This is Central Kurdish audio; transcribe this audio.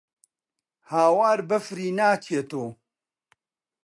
هاوار بەفری ناچێتۆ